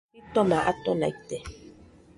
Jitoma atona ite